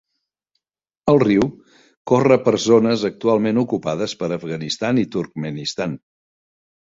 El riu corre per zones actualment ocupades per Afganistan i Turkmenistan.